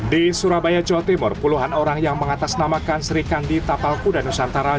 di surabaya jawa timur puluhan orang yang mengatasnamakan sri kandi tapal kuda nusantara